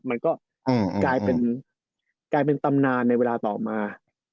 มันก็กลายเป็นตำนานในเวลาต่อมา